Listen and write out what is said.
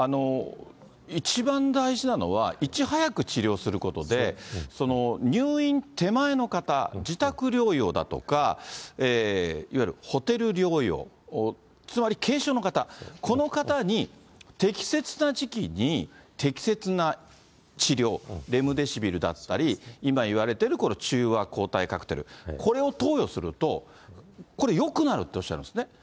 一番大事なのは、いち早く治療することで、入院手前の方、自宅療養だとか、いわゆるホテル療養、つまり軽症の方、この方に適切な時期に適切な治療、レムデシビルだったり、今いわれてるこれ、中和抗体カクテル、これを投与するとこれ、よくなるっておっしゃるんですね。